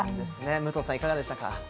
武藤さん、いかがですか？